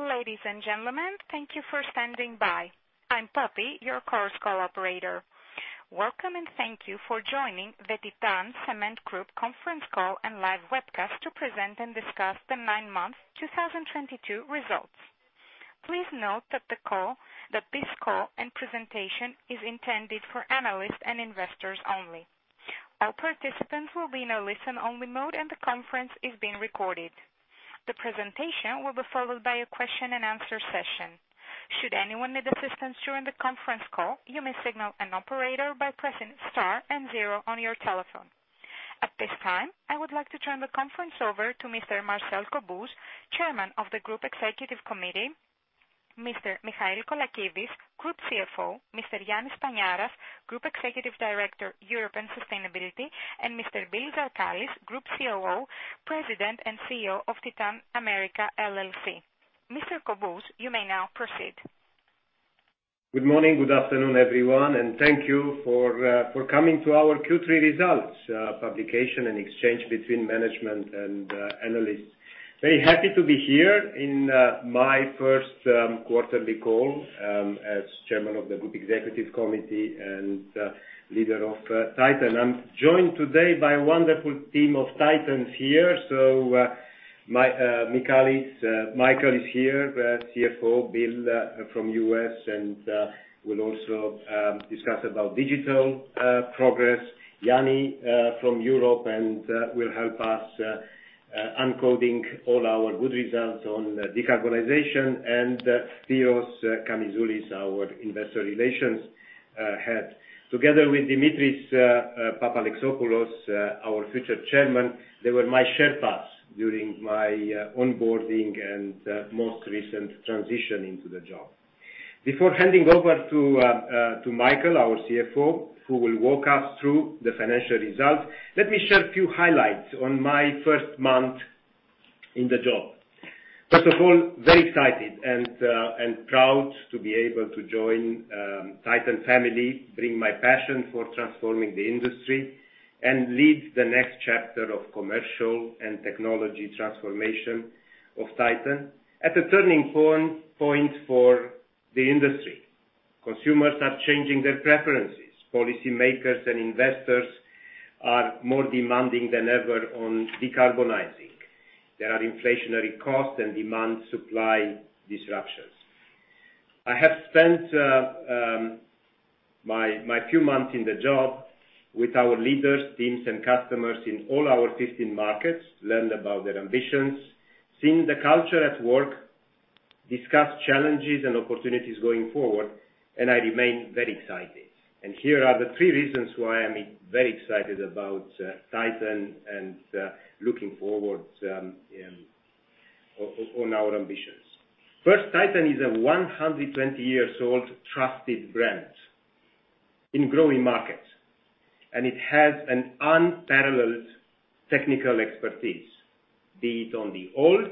Ladies and gentlemen, thank you for standing by. I'm `Bobbie, your Chorus Call operator. Welcome and thank you for joining the Titan Cement Group conference call and live webcast to present and discuss the nine-month 2022 results. Please note that this call and presentation is intended for analysts and investors only. All participants will be in a listen-only mode, and the conference is being recorded. The presentation will be followed by a question and answer session. Should anyone need assistance during the conference call, you may signal an operator by pressing star and zero on your telephone. At this time, I would like to turn the conference over to Mr. Marcel Cobuz, Chairman of the Group Executive Committee, Mr. Michael Colakides, Group CFO, Mr. Yanni Paniaras, Group Executive Director, Europe and Sustainability, and Mr. Bill Zarkalis, Group COO, President and CEO of Titan America LLC. Mr. Cobuz, you may now proceed. Good morning. Good afternoon, everyone, and thank you for coming to our Q3 results publication and exchange between management and analysts. Very happy to be here in my first quarterly call as Chairman of the Group Executive Committee and Leader of Titan. I'm joined today by a wonderful team of Titans here. Michael is here, CFO. Bill from U.S. and will also discuss about digital progress. Yanni from Europe and will help us unpacking all our good results on decarbonization. Spyros Kamizoulis, our Investor Relations Head. Together with Dimitri Papalexopoulos, our future Chairman, they were my sherpas during my onboarding and most recent transition into the job. Before handing over to Michael, our CFO, who will walk us through the financial results, let me share a few highlights on my first month in the job. First of all, very excited and proud to be able to join Titan family, bring my passion for transforming the industry and lead the next chapter of commercial and technology transformation of Titan. At a turning point for the industry, consumers are changing their preferences. Policymakers and investors are more demanding than ever on decarbonizing. There are inflationary costs and demand supply disruptions. I have spent my few months in the job with our leaders, teams and customers in all our 15 markets, learned about their ambitions, seen the culture at work, discussed challenges and opportunities going forward, and I remain very excited. Here are the three reasons why I'm very excited about Titan and looking forward to our ambitions. First, Titan is a 120-year-old trusted brand in growing markets, and it has an unparalleled technical expertise, be it on the old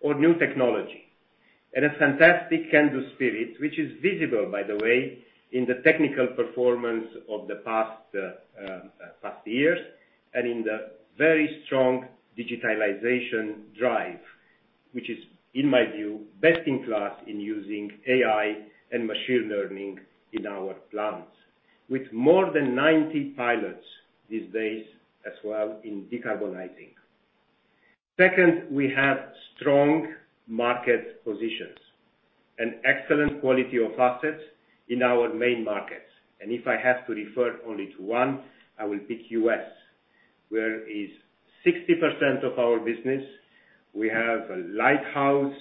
or new technology, and a fantastic can-do spirit which is visible, by the way, in the technical performance of the past years and in the very strong digitalization drive. Which is, in my view, best in class in using AI and machine learning in our plants. With more than 90 pilots these days as well in decarbonizing. Second, we have strong market positions and excellent quality of assets in our main markets. If I have to refer only to one, I will pick U.S., where 60% of our business is. We have a lighthouse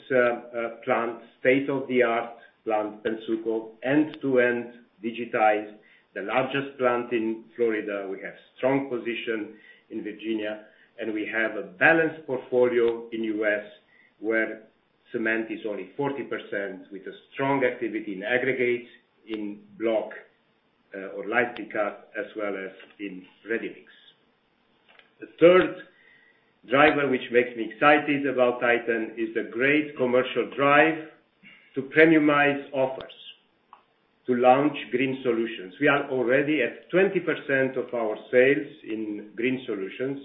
plant, state-of-the-art plant, Pennsuco, end-to-end digitized, the largest plant in Florida. We have strong position in Virginia, and we have a balanced portfolio in U.S. where cement is only 40% with a strong activity in aggregates in block, or light stick up as well as in ready mix. The third driver, which makes me excited about Titan, is the great commercial drive to premiumize offers to launch green solutions. We are already at 20% of our sales in green solutions,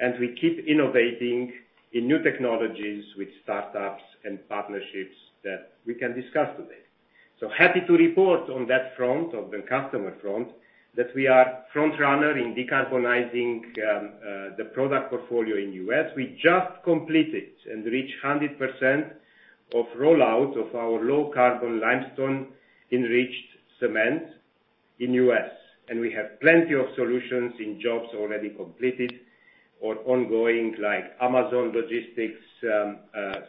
and we keep innovating in new technologies with startups and partnerships that we can discuss today. Happy to report on that front, on the customer front, that we are front runner in decarbonizing the product portfolio in U.S. We just completed and reached 100% of rollout of our low carbon limestone enriched cement in U.S., and we have plenty of solutions in jobs already completed or ongoing, like Amazon logistics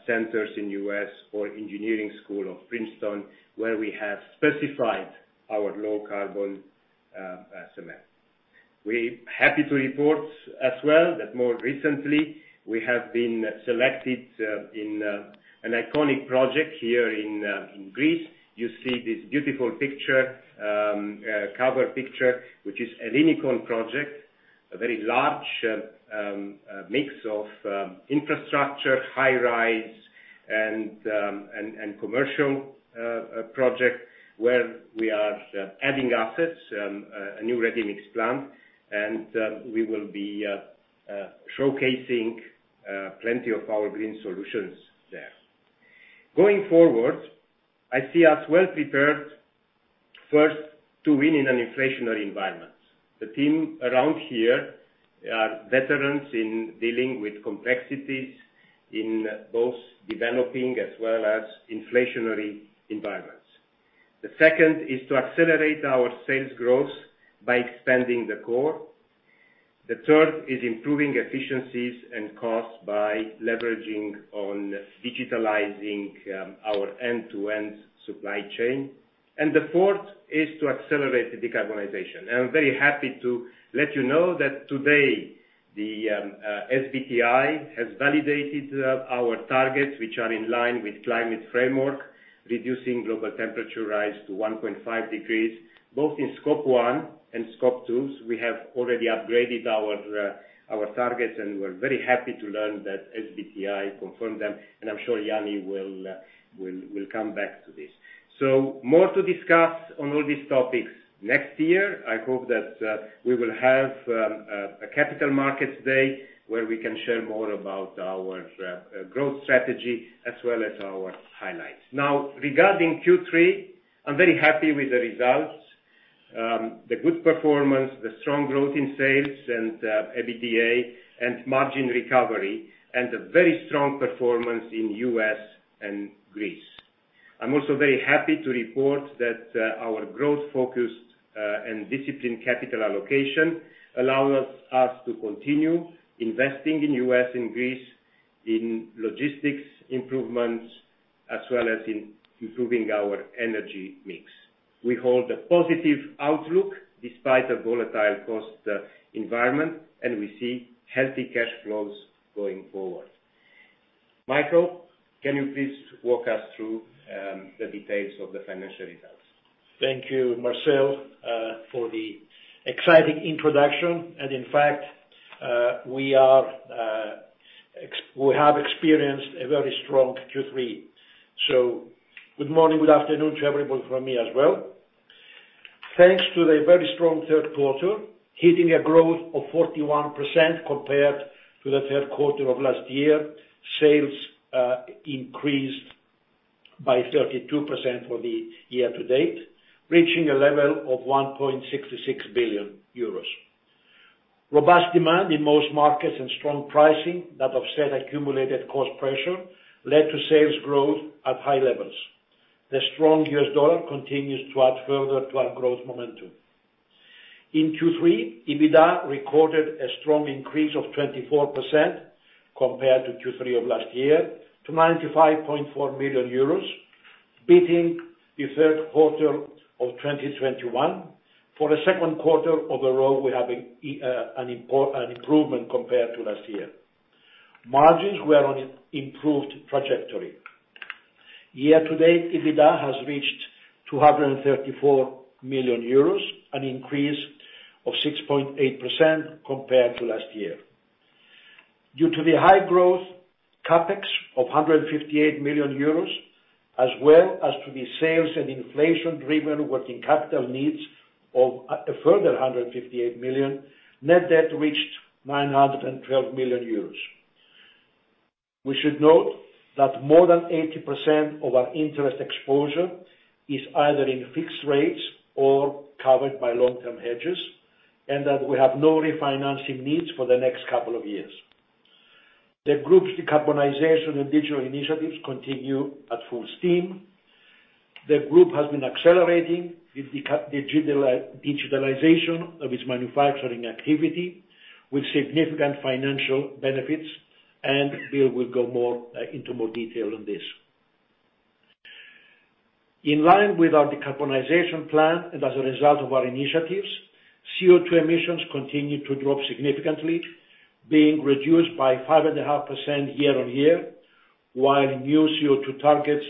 centers in U.S. or engineering school of Princeton, where we have specified our low carbon cement. We're happy to report as well that more recently we have been selected in an iconic project here in Greece. You see this beautiful picture, cover picture, which is Ellinikon project, a very large mix of infrastructure, high-rise and commercial project where we are adding assets, a new ready mix plant. We will be showcasing plenty of our green solutions there. Going forward, I see us well prepared, first, to win in an inflationary environment. The team around here are veterans in dealing with complexities in both developing as well as inflationary environments. The second is to accelerate our sales growth by expanding the core. The third is improving efficiencies and costs by leveraging on digitalizing our end-to-end supply chain. The fourth is to accelerate the decarbonization. I'm very happy to let you know that today SBTI has validated our targets, which are in line with climate framework, reducing global temperature rise to 1.5 degrees, both in Scope 1 and Scope 2. We have already upgraded our targets, and we're very happy to learn that SBTI confirmed them, and I'm sure Yanni will come back to this. More to discuss on all these topics next year. I hope that we will have a capital market today where we can share more about our growth strategy as well as our highlights. Now, regarding Q3, I'm very happy with the results. The good performance, the strong growth in sales and EBITDA and margin recovery, and the very strong performance in U.S. and Greece. I'm also very happy to report that our growth-focused and disciplined capital allocation allows us to continue investing in U.S. and Greece in logistics improvements, as well as in improving our energy mix. We hold a positive outlook despite a volatile cost environment, and we see healthy cash flows going forward. Michael, can you please walk us through the details of the financial results? Thank you, Marcel, for the exciting introduction. In fact, we have experienced a very strong Q3. Good morning, good afternoon to everyone from me as well. Thanks to the very strong third quarter, hitting a growth of 41% compared to the third quarter of last year. Sales increased by 32% for the year to date, reaching a level of 1.66 billion euros. Robust demand in most markets and strong pricing that offset accumulated cost pressure led to sales growth at high levels. The strong U.S. dollar continues to add further to our growth momentum. In Q3, EBITDA recorded a strong increase of 24% compared to Q3 of last year to 95.4 million euros, beating the third quarter of 2021. For the second quarter of the year, we have an improvement compared to last year. Margins were on an improved trajectory. Year to date, EBITDA has reached 234 million euros, an increase of 6.8% compared to last year. Due to the high growth CapEx of 158 million euros, as well as to the sales and inflation-driven working capital needs of a further 158 million, net debt reached 912 million euros. We should note that more than 80% of our interest exposure is either in fixed rates or covered by long-term hedges, and that we have no refinancing needs for the next couple of years. The group's decarbonization and digital initiatives continue at full steam. The group has been accelerating with the digitalization of its manufacturing activity with significant financial benefits, and Bill will go into more detail on this. In line with our decarbonization plan and as a result of our initiatives, CO2 emissions continue to drop significantly, being reduced by 5.5% year-on-year, while new CO2 targets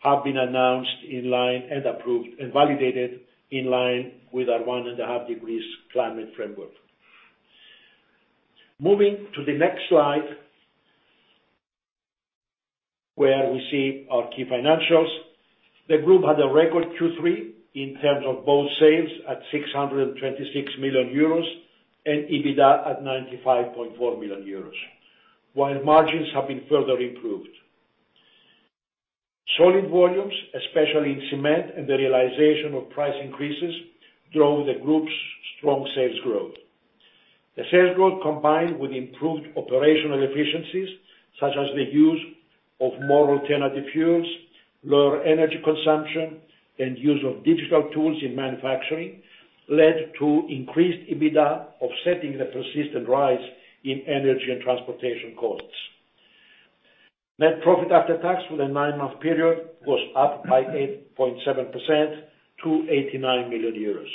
have been announced in line and approved and validated in line with our 1.5 degrees climate framework. Moving to the next slide, where we see our key financials. The group had a record Q3 in terms of both sales at 626 million euros and EBITDA at 95.4 million euros, while margins have been further improved. Solid volumes, especially in cement and the realization of price increases, drove the group's strong sales growth. The sales growth, combined with improved operational efficiencies, such as the use of more alternative fuels, lower energy consumption, and use of digital tools in manufacturing, led to increased EBITDA, offsetting the persistent rise in energy and transportation costs. Net profit after tax for the nine-month period was up by 8.7% to 89 million euros.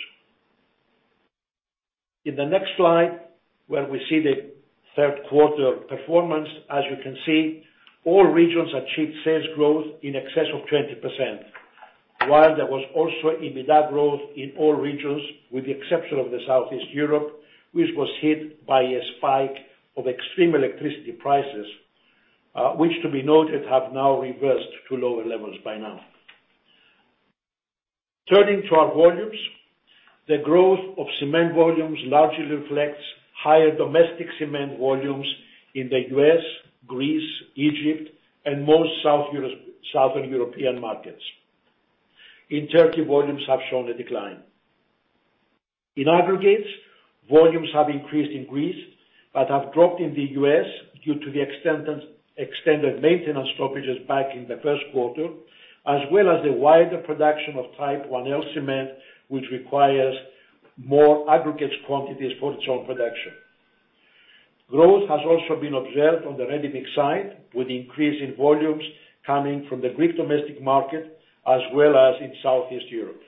In the next slide, where we see the third quarter performance, as you can see, all regions achieved sales growth in excess of 20%. While there was also EBITDA growth in all regions, with the exception of Southeast Europe, which was hit by a spike of extreme electricity prices, which to be noted have now reversed to lower levels by now. Turning to our volumes. The growth of cement volumes largely reflects higher domestic cement volumes in the U.S., Greece, Egypt, and most Southern European markets. In Turkey, volumes have shown a decline. In aggregates, volumes have increased in Greece, but have dropped in the U.S. due to the extended maintenance stoppages back in the first quarter, as well as the wider production of type one L cement, which requires more aggregates quantities for its own production. Growth has also been observed on the ready mix side, with increase in volumes coming from the Greek domestic market, as well as in Southeast Europe.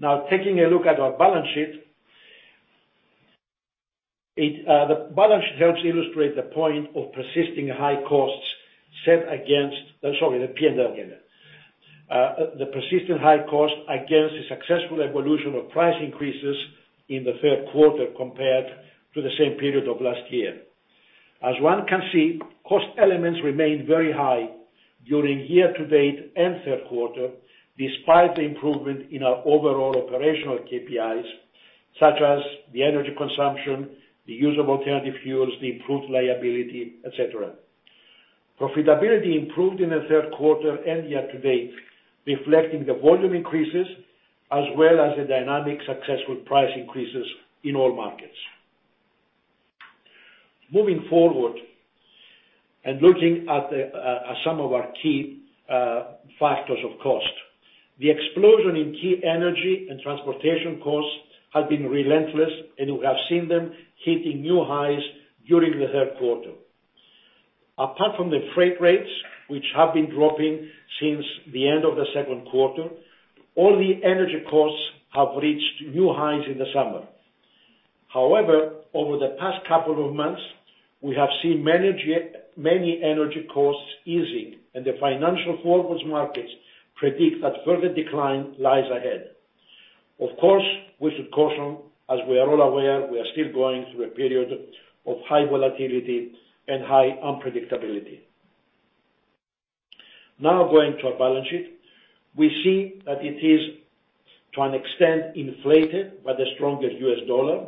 Now, taking a look at the P&L again. The P&L helps illustrate the point of persisting high costs set against the successful evolution of price increases in the third quarter compared to the same period of last year. As one can see, cost elements remained very high during year to date and third quarter despite the improvement in our overall operational KPIs, such as the energy consumption, the use of alternative fuels, the improved availability, et cetera. Profitability improved in the third quarter and year to date, reflecting the volume increases as well as the dynamic successful price increases in all markets. Moving forward, and looking at some of our key factors of cost. The explosion in key energy and transportation costs have been relentless, and we have seen them hitting new highs during the third quarter. Apart from the freight rates, which have been dropping since the end of the second quarter, all the energy costs have reached new highs in the summer. However, over the past couple of months, we have seen many energy costs easing and the financial forward markets predict that further decline lies ahead. Of course, we should caution, as we are all aware, we are still going through a period of high volatility and high unpredictability. Now going to our balance sheet. We see that it is, to an extent, inflated by the stronger U.S. dollar,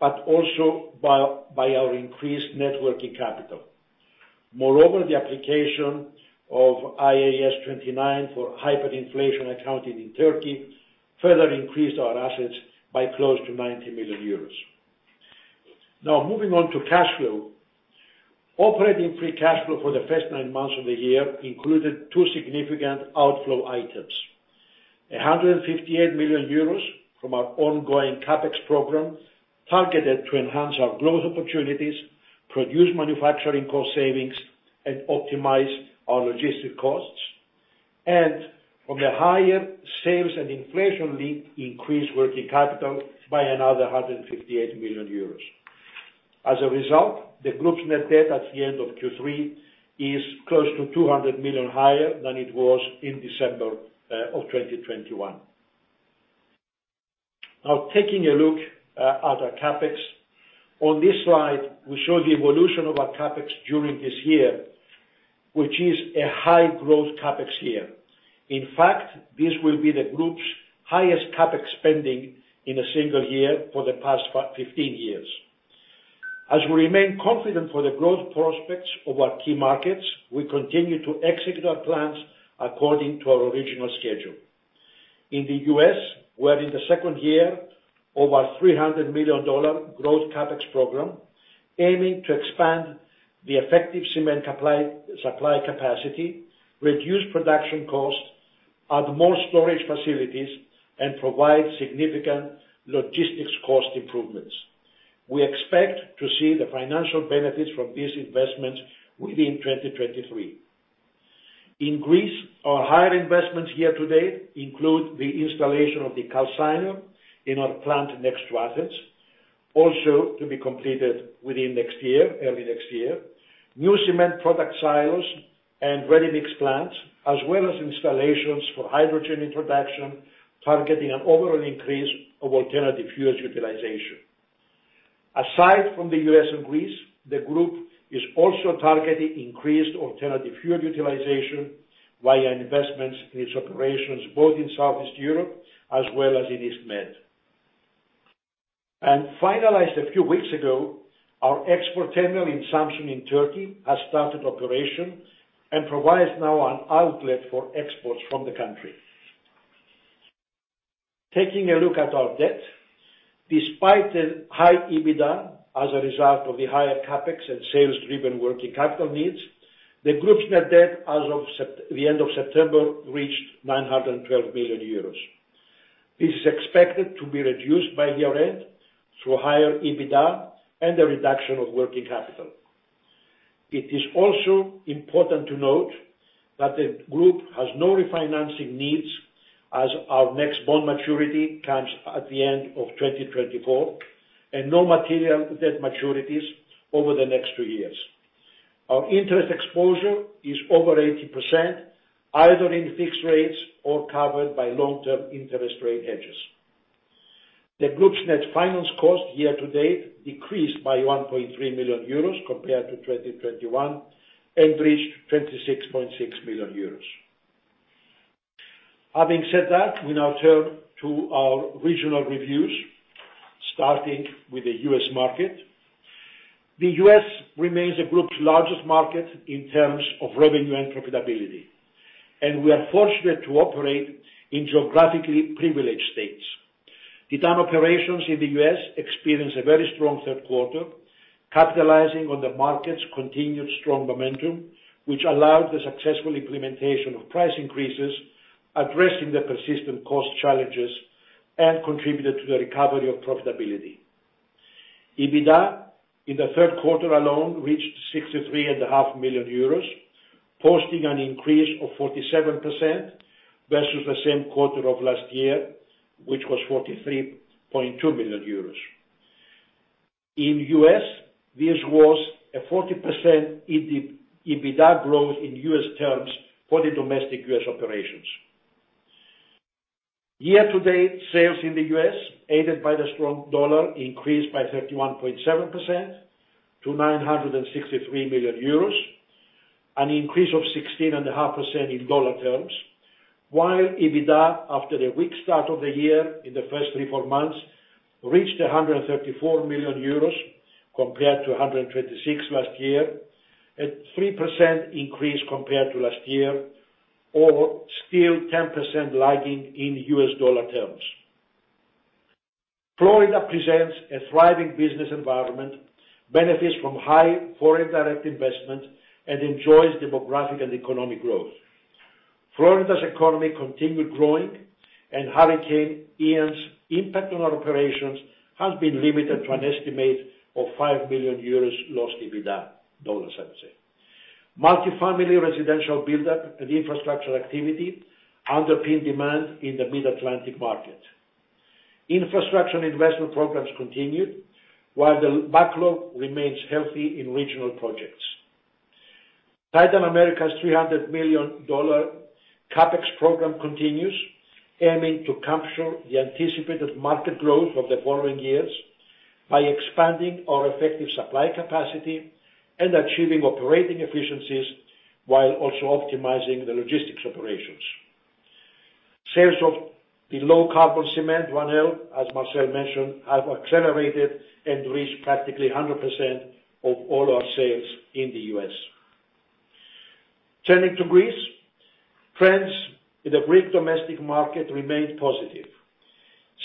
but also by our increased net working capital. Moreover, the application of IAS 29 for hyperinflationary accounting in Turkey further increased our assets by close to 90 million euros. Now, moving on to cash flow. Operating free cash flow for the first nine months of the year included two significant outflow items. 158 million euros from our ongoing CapEx program, targeted to enhance our growth opportunities, produce manufacturing cost savings, and optimize our logistics costs. From the higher sales and inflation leap increased working capital by another 158 million euros. As a result, the group's net debt at the end of Q3 is close to 200 million EUR higher than it was in December of 2021. Now, taking a look at our CapEx. On this slide, we show the evolution of our CapEx during this year, which is a high growth CapEx year. In fact, this will be the group's highest CapEx spending in a single year for the past 15 years. We remain confident for the growth prospects of our key markets, we continue to execute our plans according to our original schedule. In the U.S., we're in the second year of our $300 million growth CapEx program, aiming to expand the effective cement supply capacity, reduce production costs at more storage facilities, and provide significant logistics cost improvements. We expect to see the financial benefits from these investments within 2023. In Greece, our higher investments here today include the installation of the calciner in our plant next to Athens, also to be completed within next year, early next year, new cement product silos and ready-mix plants, as well as installations for hydrogen introduction, targeting an overall increase of alternative fuels utilization. Aside from the U.S. and Greece, the group is also targeting increased alternative fuel utilization via investments in its operations, both in Southeast Europe as well as in East Med. Finalized a few weeks ago, our export terminal in Samsun in Turkey has started operation and provides now an outlet for exports from the country. Taking a look at our debt. Despite the high EBITDA as a result of the higher CapEx and sales-driven working capital needs, the group's net debt as of the end of September reached 912 million euros. This is expected to be reduced by year-end through higher EBITDA and the reduction of working capital. It is also important to note that the group has no refinancing needs. As our next bond maturity comes at the end of 2024, and no material debt maturities over the next two years. Our interest exposure is over 80%, either in fixed rates or covered by long-term interest rate hedges. The group's net finance cost year to date decreased by 1.3 million euros compared to 2021, and reached 26.6 million euros. Having said that, we now turn to our regional reviews, starting with the U.S. market. The U.S. remains the group's largest market in terms of revenue and profitability, and we are fortunate to operate in geographically privileged states. Titan operations in the U.S. experienced a very strong third quarter, capitalizing on the market's continued strong momentum, which allowed the successful implementation of price increases, addressing the persistent cost challenges, and contributed to the recovery of profitability. EBITDA in the third quarter alone reached 63.5 million euros, posting an increase of 47% versus the same quarter of last year, which was 43.2 million euros. In the U.S., this was a 40% EBITDA growth in U.S. terms for the domestic U.S. operations. Year to date, sales in the U.S., aided by the strong dollar, increased by 31.7% to 963 million euros, an increase of 16.5% in dollar terms. EBITDA, after the weak start of the year in the first three, four months, reached 134 million euros compared to 126 last year, a 3% increase compared to last year or still 10% lagging in U.S. dollar terms. Florida presents a thriving business environment, benefits from high foreign direct investment, and enjoys demographic and economic growth. Florida's economy continued growing, and Hurricane Ian's impact on our operations has been limited to an estimate of 5 million euros lost EBITDA, dollars I would say. Multifamily residential buildup and infrastructure activity underpin demand in the Mid-Atlantic market. Infrastructure investment programs continued, while the backlog remains healthy in regional projects. Titan America's $300 million CapEx program continues, aiming to capture the anticipated market growth of the following years by expanding our effective supply capacity and achieving operating efficiencies, while also optimizing the logistics operations. Sales of the low-carbon cement, 1L, as Marcel mentioned, have accelerated and reached practically 100% of all our sales in the U.S. Turning to Greece. Trends in the Greek domestic market remained positive.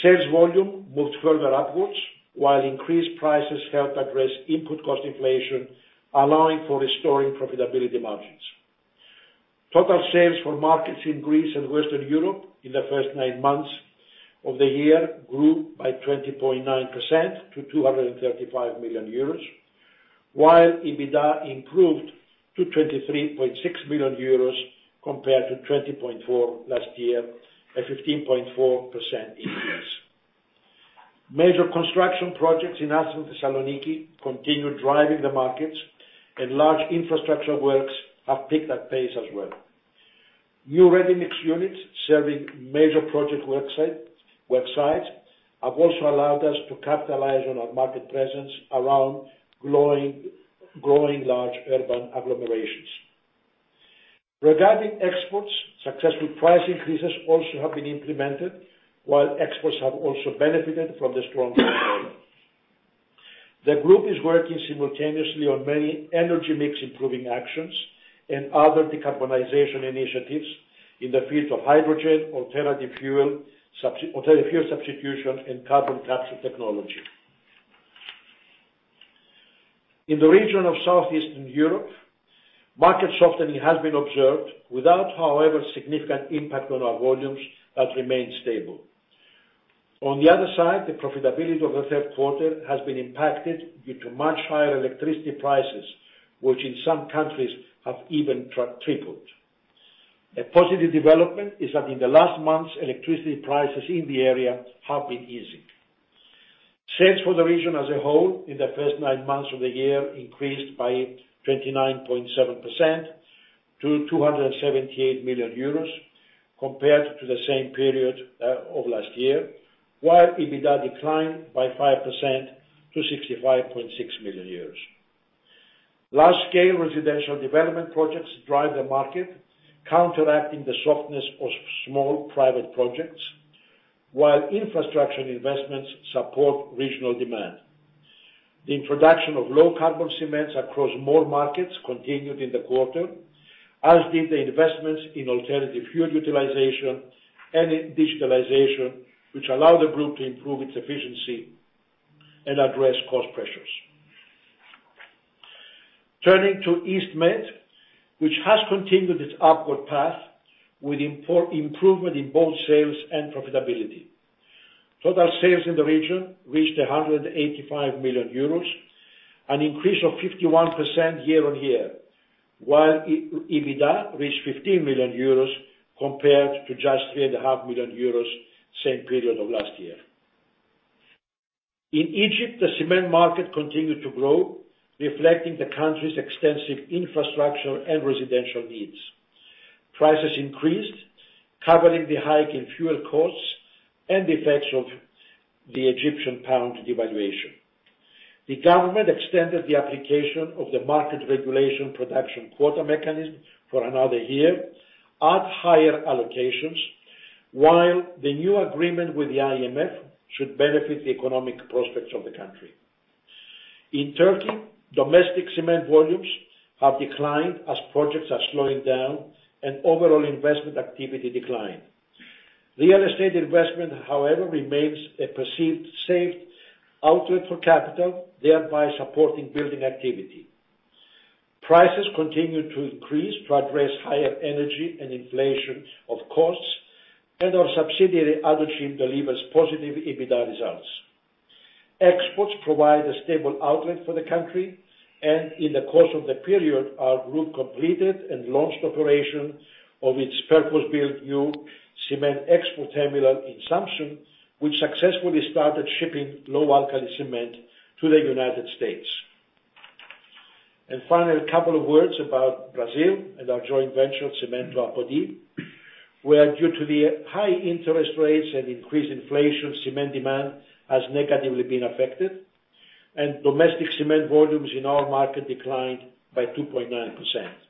Sales volume moved further upwards, while increased prices helped address input cost inflation, allowing for restoring profitability margins. Total sales for markets in Greece and Western Europe in the first nine months of the year grew by 20.9% to 235 million euros. While EBITDA improved to 23.6 million euros compared to 20.4 million last year, a 15.4% increase. Major construction projects in Athens, Thessaloniki continue driving the markets, and large infrastructure works have picked up pace as well. New ready mix units serving major project worksites have also allowed us to capitalize on our market presence around growing large urban agglomerations. Regarding exports, successful price increases also have been implemented, while exports have also benefited from the strong dollar. The group is working simultaneously on many energy mix improving actions and other decarbonization initiatives in the fields of hydrogen, alternative fuel substitution, and carbon capture technology. In the region of Southeastern Europe, market softening has been observed without, however, significant impact on our volumes that remain stable. On the other side, the profitability of the third quarter has been impacted due to much higher electricity prices, which in some countries have even tripled. A positive development is that in the last months, electricity prices in the area have been easing. Sales for the region as a whole in the first nine months of the year increased by 29.7% to 278 million euros compared to the same period of last year. While EBITDA declined by 5% to 65.6 million. Large-scale residential development projects drive the market, counteracting the softness of small private projects. While infrastructure and investments support regional demand. The introduction of low-carbon cements across more markets continued in the quarter, as did the investments in alternative fuel utilization and in digitalization, which allow the group to improve its efficiency and address cost pressures. Turning to East Med, which has continued its upward path with improvement in both sales and profitability. Total sales in the region reached 185 million euros, an increase of 51% year-on-year, while EBITDA reached 15 million euros compared to just 3.5 million euros same period of last year. In Egypt, the cement market continued to grow, reflecting the country's extensive infrastructure and residential needs. Prices increased, covering the hike in fuel costs and the effects of the Egyptian pound devaluation. The government extended the application of the market regulation production quota mechanism for another year at higher allocations, while the new agreement with the IMF should benefit the economic prospects of the country. In Turkey, domestic cement volumes have declined as projects are slowing down and overall investment activity decline. Real estate investment, however, remains a perceived safe outlet for capital, thereby supporting building activity. Prices continue to increase to address higher energy and inflation of costs, and our subsidiary, Adoçim, delivers positive EBITDA results. Exports provide a stable outlet for the country, and in the course of the period, our group completed and launched operation of its purpose-built new cement export terminal in Samsun, which successfully started shipping low alkali cement to the United States. Finally, a couple of words about Brazil and our joint venture, Cimento Apodi, where due to the high interest rates and increased inflation, cement demand has negatively been affected, and domestic cement volumes in our market declined by 2.9%.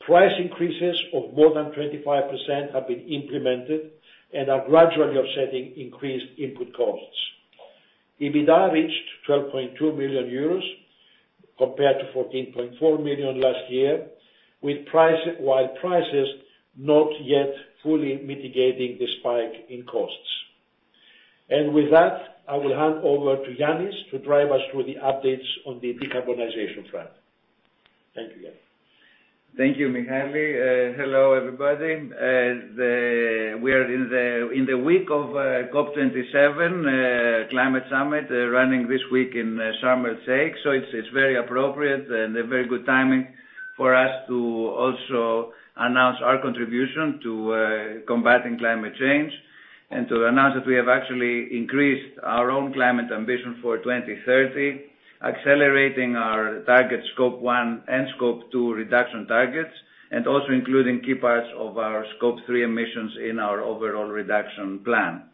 Price increases of more than 25% have been implemented and are gradually offsetting increased input costs. EBITDA reached 12.2 million euros compared to 14.4 million last year, while prices not yet fully mitigating the spike in costs. With that, I will hand over to Yanni to drive us through the updates on the decarbonization front. Thank you, Yanni. Thank you, Michael. Hello, everybody. We are in the week of COP27 climate summit running this week in Sharm El-Sheikh. It's very appropriate and a very good timing for us to also announce our contribution to combating climate change. To announce that we have actually increased our own climate ambition for 2030, accelerating our target Scope 1 and Scope 2 reduction targets, and also including key parts of our Scope 3 emissions in our overall reduction plan.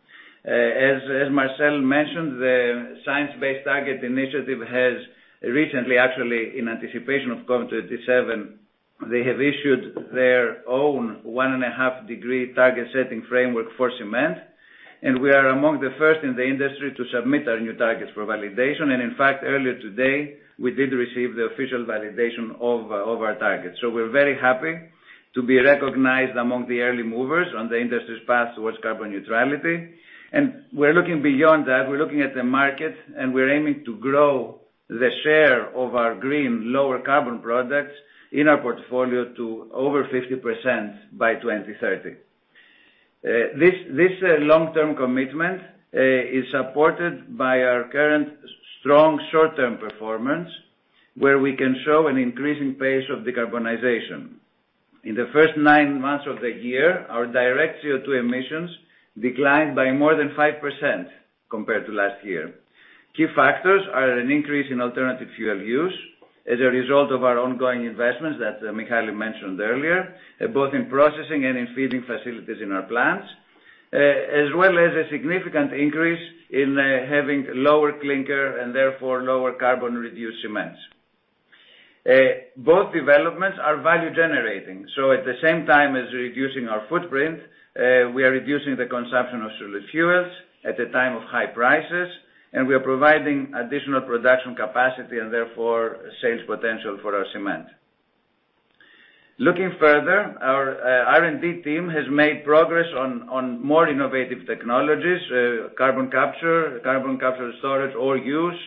As Marcel mentioned, the Science Based Targets initiative has recently, actually, in anticipation of COP27, they have issued their own 1.5-degree target setting framework for cement. We are among the first in the industry to submit our new targets for validation. In fact, earlier today, we did receive the official validation of our targets. We're very happy to be recognized among the early movers on the industry's path towards carbon neutrality. We're looking beyond that. We're looking at the market, and we're aiming to grow the share of our green lower carbon products in our portfolio to over 50% by 2030. This long-term commitment is supported by our current strong short-term performance, where we can show an increasing pace of decarbonization. In the first nine months of the year, our direct CO2 emissions declined by more than 5% compared to last year. Key factors are an increase in alternative fuel use as a result of our ongoing investments that Michael mentioned earlier, both in processing and in feeding facilities in our plants, as well as a significant increase in having lower clinker and therefore lower carbon reduced cements. Both developments are value-generating. At the same time as reducing our footprint, we are reducing the consumption of solid fuels at a time of high prices, and we are providing additional production capacity and therefore sales potential for our cement. Looking further, our R&D team has made progress on more innovative technologies, carbon capture storage or use,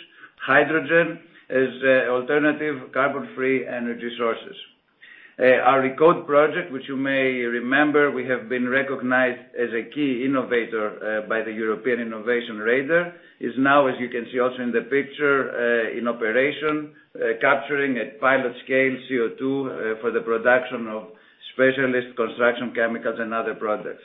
hydrogen as alternative carbon-free energy sources. Our RECODE project, which you may remember, we have been recognized as a key innovator by the European Innovation Radar, is now, as you can see also in the picture, in operation, capturing at pilot scale CO2 for the production of specialist construction chemicals and other products.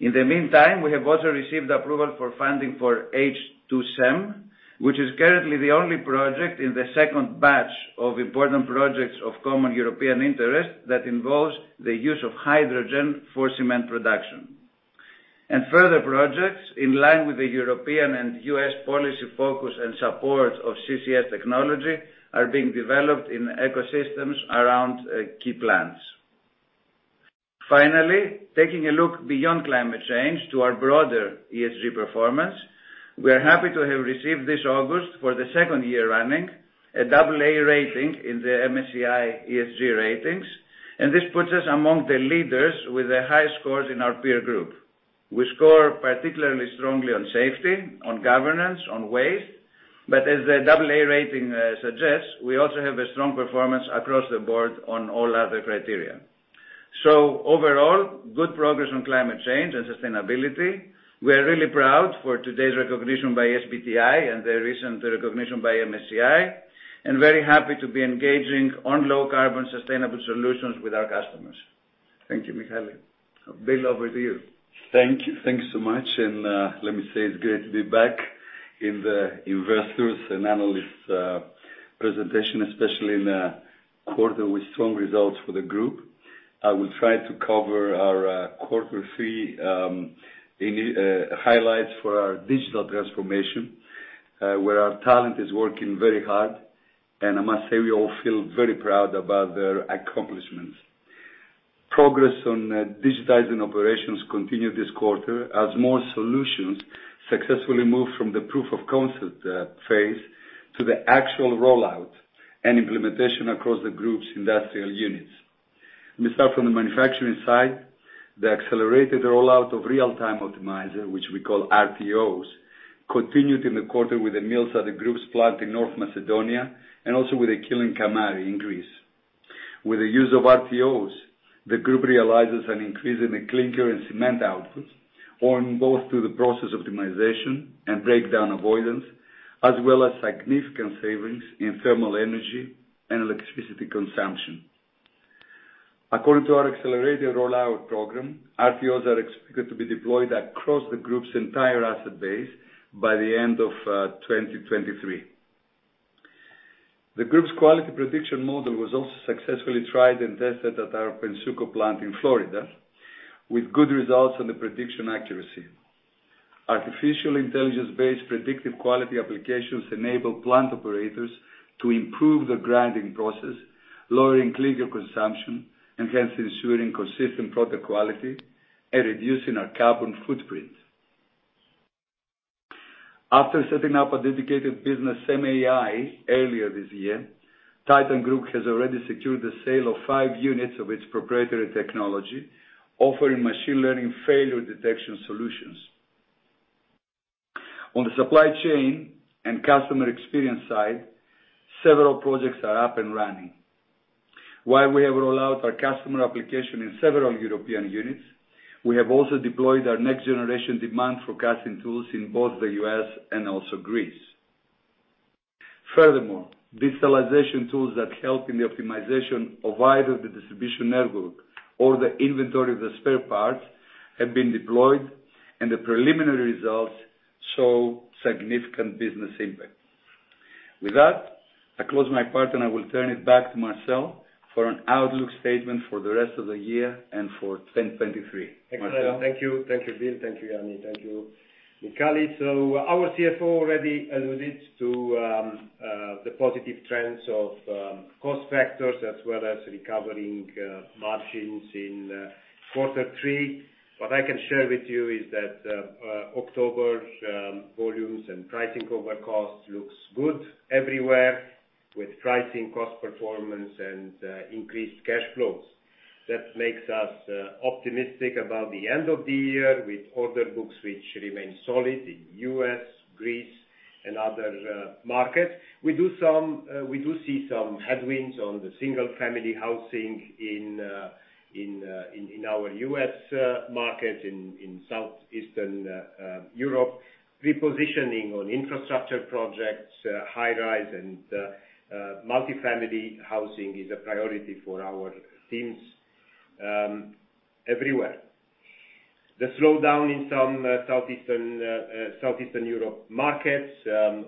In the meantime, we have also received approval for funding for H2CEM, which is currently the only project in the second batch of important projects of common European interest that involves the use of hydrogen for cement production. Further projects in line with the European and U.S. policy focus and support of CCS technology are being developed in ecosystems around key plants. Finally, taking a look beyond climate change to our broader ESG performance, we are happy to have received this August, for the second year running, a AA rating in the MSCI ESG ratings, and this puts us among the leaders with the highest scores in our peer group. We score particularly strongly on safety, on governance, on waste. As the AA rating suggests, we also have a strong performance across the board on all other criteria. Overall, good progress on climate change and sustainability. We are really proud for today's recognition by SBTI and the recent recognition by MSCI, and very happy to be engaging on low carbon sustainable solutions with our customers. Thank you, Michael. Bill, over to you. Thank you. Thank you so much. Let me say it's great to be back in the investors and analysts presentation, especially in a quarter with strong results for the group. I will try to cover our quarter three highlights for our digital transformation, where our talent is working very hard, and I must say we all feel very proud about their accomplishments. Progress on digitizing operations continued this quarter as more solutions successfully moved from the proof of concept phase to the actual rollout and implementation across the group's industrial units. Let me start from the manufacturing side. The accelerated rollout of real-time optimizer, which we call RTOs, continued in the quarter with the mills at the group's plant in North Macedonia and also with a kiln in Kamari, in Greece. With the use of RTOs, the group realizes an increase in the clinker and cement outputs both through the process optimization and breakdown avoidance, as well as significant savings in thermal energy and electricity consumption. According to our accelerated rollout program, RTOs are expected to be deployed across the group's entire asset base by the end of 2023. The group's quality prediction model was also successfully tried and tested at our Pennsuco plant in Florida with good results on the prediction accuracy. Artificial intelligence-based predictive quality applications enable plant operators to improve their grinding process, lowering clinker consumption, and hence ensuring consistent product quality and reducing our carbon footprint. After setting up a dedicated business MAI earlier this year, Titan Group has already secured the sale of five units of its proprietary technology, offering machine learning failure detection solutions. On the supply chain and customer experience side, several projects are up and running. While we have rolled out our customer application in several European units, we have also deployed our next generation demand forecasting tools in both the U.S. and also Greece. Furthermore, visualization tools that help in the optimization of either the distribution network or the inventory of the spare parts have been deployed and the preliminary results show significant business impact. With that, I close my part and I will turn it back to Marcel for an outlook statement for the rest of the year and for 2023. Marcel? Excellent. Thank you. Thank you, Bill. Thank you, Yanni. Thank you, Michael. Our CFO already alluded to the positive trends of cost factors as well as recovering margins in quarter three. What I can share with you is that October volumes and pricing over costs looks good everywhere with pricing, cost performance, and increased cash flows. That makes us optimistic about the end of the year with order books which remain solid in U.S., Greece, and other markets. We see some headwinds on the single-family housing in our U.S. market, in southeastern Europe. Repositioning on infrastructure projects, high-rise and multifamily housing is a priority for our teams everywhere. The slowdown in some Southeastern Europe markets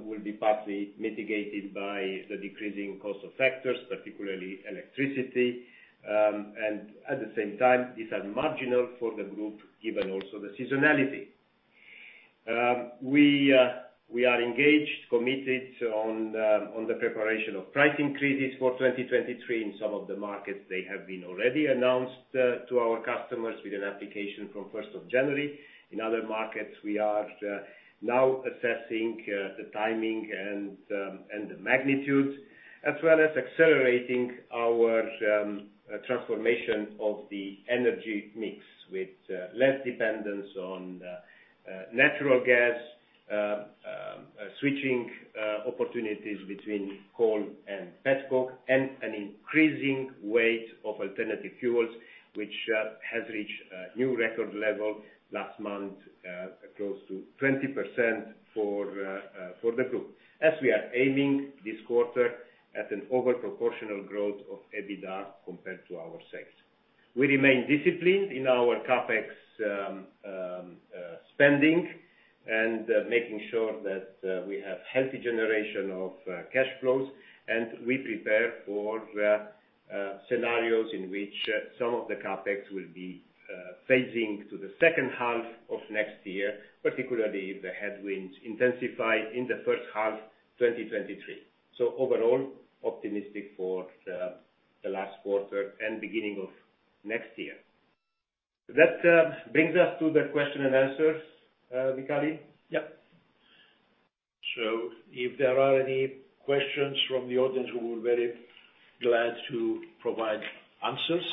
will be partly mitigated by the decreasing cost of factors, particularly electricity, and at the same time, these are marginal for the group, given also the seasonality. We are engaged, committed on the preparation of price increases for 2023. In some of the markets, they have been already announced to our customers with an application from 1st of January. In other markets, we are now assessing the timing and the magnitude, as well as accelerating our transformation of the energy mix with less dependence on natural gas, switching opportunities between coal and petcoke and an increasing weight of alternative fuels, which has reached a new record level last month close to 20% for the group. As we are aiming this quarter at an overproportional growth of EBITDA compared to our sales. We remain disciplined in our CapEx spending and making sure that we have healthy generation of cash flows and we prepare for the scenarios in which some of the CapEx will be phasing to the second half of next year, particularly if the headwinds intensify in the first half 2023. Overall, optimistic for the last quarter and beginning of next year. That brings us to the question and answers, Michael? Yep. If there are any questions from the audience, we will be very glad to provide answers.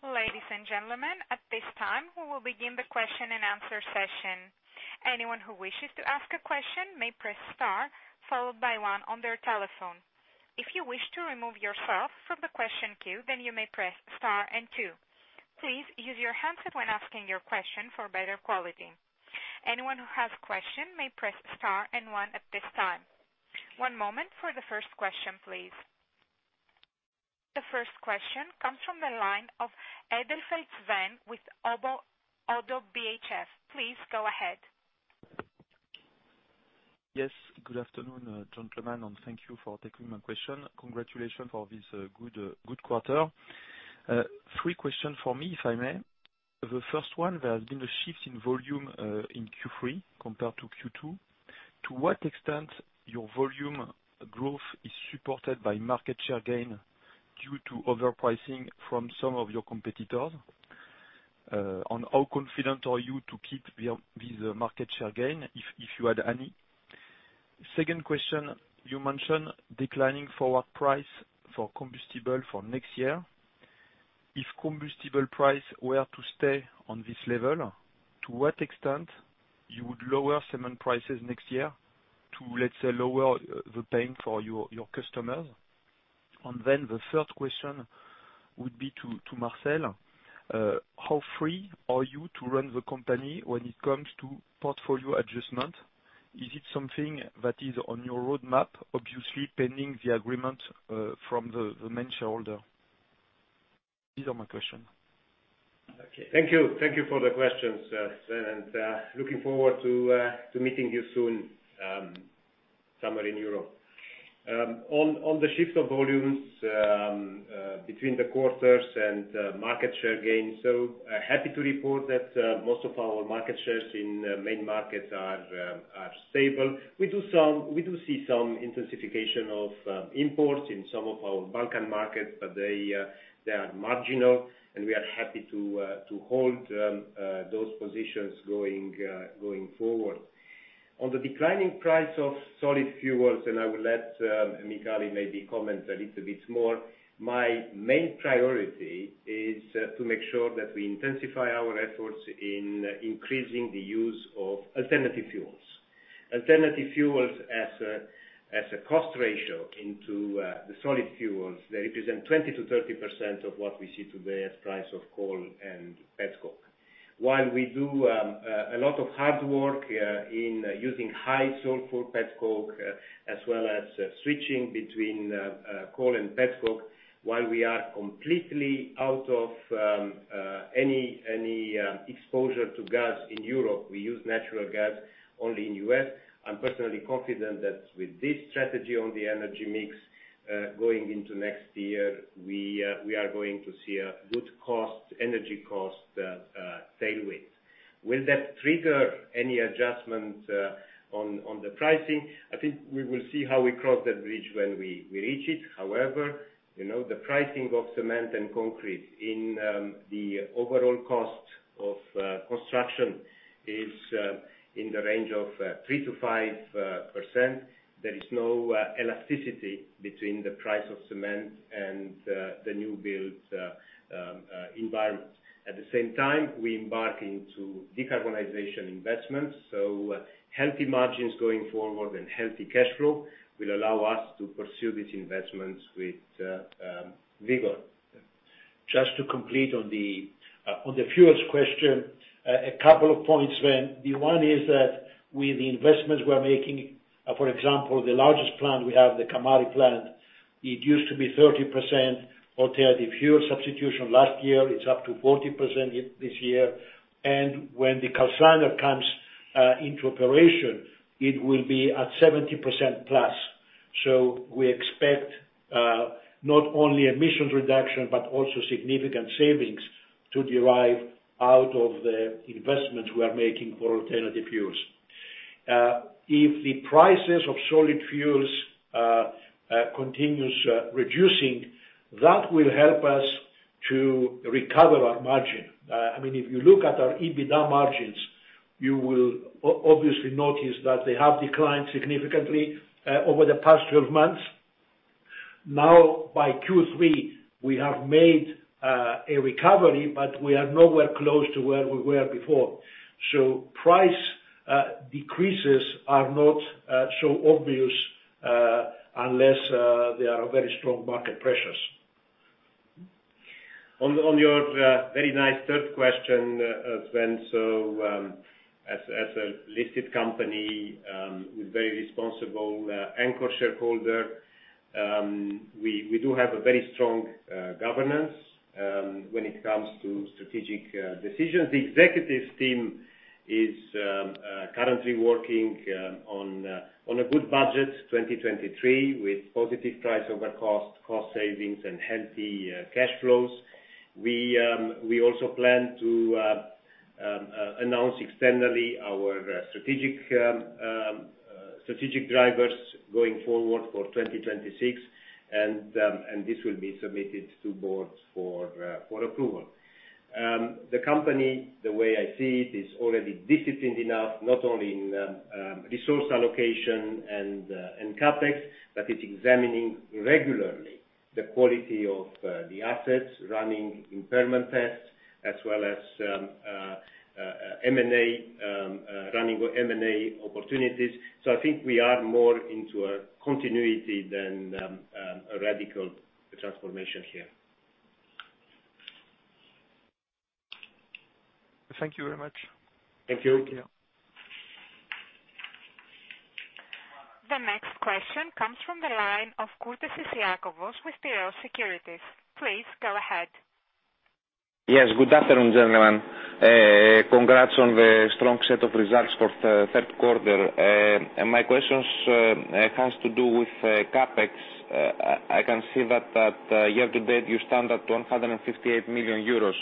Ladies and gentlemen, at this time, we will begin the question and answer session. Anyone who wishes to ask a question may press star followed by one on their telephone. If you wish to remove yourself from the question queue, then you may press star and two. Please use your handset when asking your question for better quality. Anyone who has question may press star and one at this time. One moment for the first question, please. The first question comes from the line of Edelfelt Sven with ODDO BHF. Please go ahead. Yes. Good afternoon, gentlemen, and thank you for taking my question. Congratulations for this good quarter. Three questions for me, if I may. The first one, there has been a shift in volume in Q3 compared to Q2. To what extent your volume growth is supported by market share gain due to overpricing from some of your competitors? And how confident are you to keep these market share gain if you had any? Second question, you mentioned declining forward price for combustible for next year. If combustible price were to stay on this level, to what extent you would lower cement prices next year to, let's say, lower the pain for your customers? And then the third question would be to Marcel. How free are you to run the company when it comes to portfolio adjustment? Is it something that is on your roadmap, obviously pending the agreement from the main shareholder? These are my question. Okay. Thank you. Thank you for the questions, Sven, and looking forward to meeting you soon, somewhere in Europe. On the shift of volumes between the quarters and market share gains. Happy to report that most of our market shares in main markets are stable. We see some intensification of imports in some of our Balkan markets, but they are marginal, and we are happy to hold those positions going forward. On the declining price of solid fuels, and I will let Michael maybe comment a little bit more. My main priority is to make sure that we intensify our efforts in increasing the use of alternative fuels. Alternative fuels as a cost ratio into the solid fuels, they represent 20%-30% of what we see today as price of coal and petcoke. While we do a lot of hard work in using high sulfur petcoke as well as switching between coal and petcoke. While we are completely out of any exposure to gas in Europe, we use natural gas only in U.S. I'm personally confident that with this strategy on the energy mix going into next year, we are going to see a good cost, energy cost tailwind. Will that trigger any adjustment on the pricing? I think we will see how we cross that bridge when we reach it. However, you know, the pricing of cement and concrete in the overall cost of construction is in the range of 3%-5%. There is no elasticity between the price of cement and the new build environment. At the same time, we embark into decarbonization investments, so healthy margins going forward and healthy cash flow will allow us to pursue these investments with vigor. Just to complete on the fuels question, a couple of points, Sven. The one is that with the investments we're making, for example, the largest plant we have, the Kamari plant, it used to be 30% alternative fuel substitution. Last year, it's up to 40% this year. When the calciner comes into operation, it will be at 70%+. We expect not only emissions reduction, but also significant savings to derive out of the investments we are making for alternative fuels. If the prices of solid fuels continues reducing, that will help us to recover our margin. I mean, if you look at our EBITDA margins, you will obviously notice that they have declined significantly over the past 12 months. Now, by Q3, we have made a recovery, but we are nowhere close to where we were before. Price decreases are not so obvious unless there are very strong market pressures. On your very nice third question, Sven. As a listed company with very responsible anchor shareholder, we do have a very strong governance when it comes to strategic decisions. The executive team is currently working on a good budget, 2023, with positive price over cost savings and healthy cash flows. We also plan to announce externally our strategic drivers going forward for 2026, and this will be submitted to boards for approval. The company, the way I see it, is already disciplined enough, not only in resource allocation and CapEx, but it's examining regularly the quality of the assets, running impairment tests, as well as M&A, running M&A opportunities. I think we are more into a continuity than a radical transformation here. Thank you very much. Thank you. Thank you. The next question comes from the line of Iakovos Kourtesis with Piraeus Securities. Please go ahead. Yes. Good afternoon, gentlemen. Congrats on the strong set of results for the third quarter. My questions has to do with CapEx. I can see that year-to-date you stand at 158 million euros.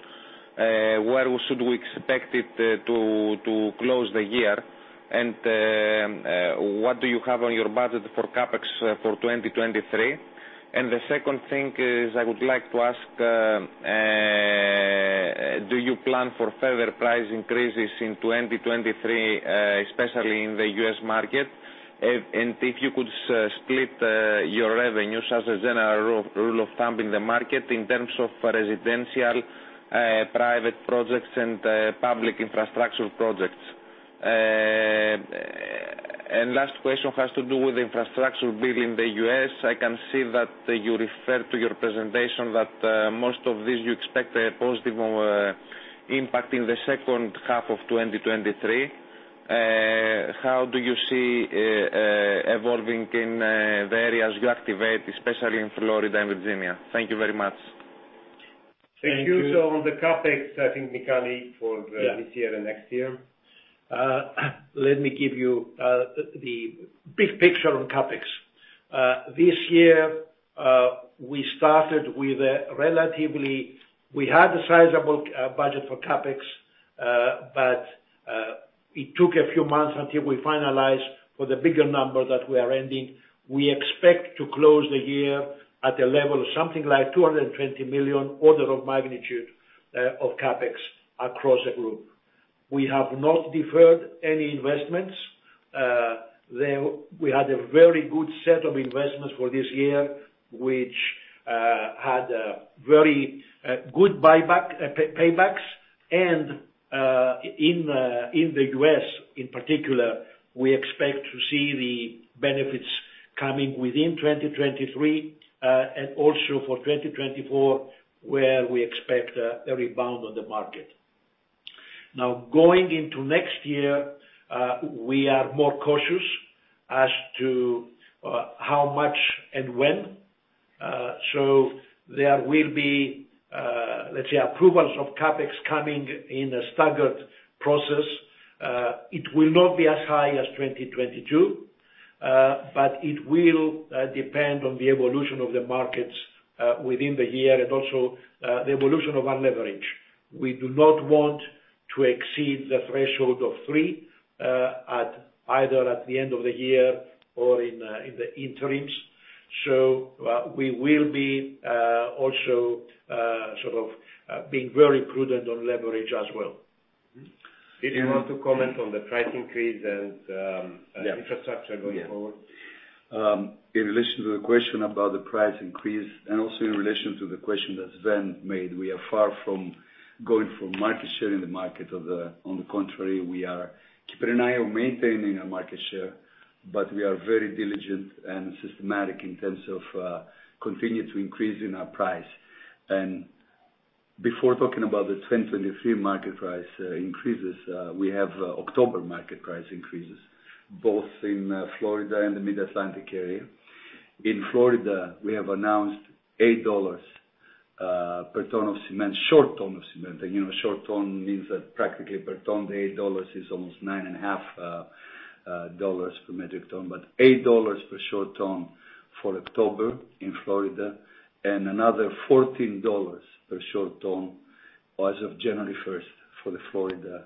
Where should we expect it to close the year? What do you have on your budget for CapEx for 2023? The second thing is I would like to ask do you plan for further price increases in 2023 especially in the U.S. market? If you could split your revenues as a general rule of thumb in the market in terms of residential private projects and public infrastructure projects. Last question has to do with infrastructure build in the U.S. I can see that you referred to your presentation that most of these you expect a positive impact in the second half of 2023. How do you see evolving in the areas you activate, especially in Florida and Virginia? Thank you very much. Thank you. On the CapEx, I think, Michael, for the- Yeah This year and next year. Let me give you the big picture on CapEx. This year we started with a relatively sizable budget for CapEx, but it took a few months until we finalized the bigger number that we are ending. We expect to close the year at a level of something like 220 million order of magnitude of CapEx across the group. We have not deferred any investments. We had a very good set of investments for this year, which had a very good payback. In the US, in particular, we expect to see the benefits coming within 2023 and also for 2024, where we expect a rebound on the market. Now, going into next year, we are more cautious as to how much and when. There will be, let's say, approvals of CapEx coming in a staggered process. It will not be as high as 2022, but it will depend on the evolution of the markets within the year and also the evolution of our leverage. We do not want to exceed the threshold of three at either the end of the year or in the interims. We will be also sort of being very prudent on leverage as well. Did you want to comment on the price increase and Yeah. Infrastructure going forward? Yeah. In relation to the question about the price increase and also in relation to the question that Sven made, we are far from going for market share in the market. On the contrary, we are keeping an eye on maintaining our market share, but we are very diligent and systematic in terms of continuing to increase in our price. Before talking about the 2023 market price increases, we have October market price increases both in Florida and the Mid-Atlantic area. In Florida, we have announced $8 per ton of cement, short ton of cement. You know, short ton means that practically per ton, the $8 is almost $9.5 per metric ton. $8 per short ton for October in Florida and another $14 per short ton as of January 1st for the Florida